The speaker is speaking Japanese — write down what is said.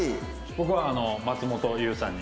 僕は松本優さんに。